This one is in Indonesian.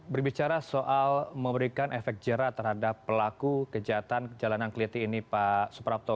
berbicara soal memberikan efek jerah terhadap pelaku kejahatan jalanan keliti ini pak suprapto